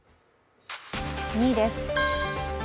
２位です。